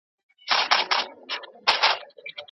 قوم ته یې لوی میراث پرېښود